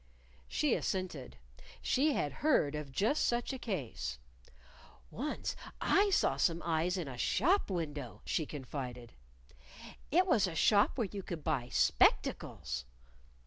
She assented. She had heard of just such a case. "Once I saw some eyes in a shop window," she confided. "It was a shop where you could buy spectacles."